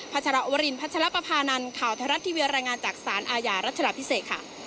พระเจ้าวรินทร์พระเจ้าประพานันทร์ข่าวเทศรัทธิเวียรายงานจากศาลอาญารัฐธรรมพิเศษค่ะ